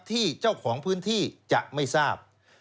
ที่เจ้าของพื้นที่จะไม่ทราบ